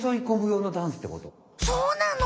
そうなの？